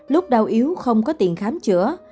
lúc đau yếu không có tiền khám chữa